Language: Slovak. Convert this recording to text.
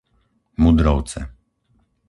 Mudrovce